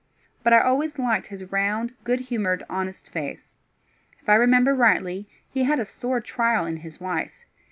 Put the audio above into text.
But I always liked his round, good humoured, honest face. If I remember rightly, he had a sore trial in his wife.